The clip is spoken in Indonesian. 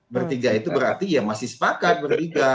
bertiga itu berarti ya masih sepakat bertiga